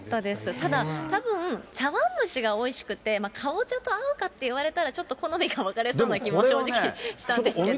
ただ、たぶん茶碗蒸しがおいしくて、かぼちゃと合うかって言われたら、ちょっと好みが分かれそうな気も正直したんですけど。